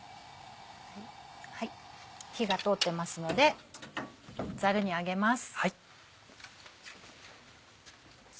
火が通ってますのでザルに上げます。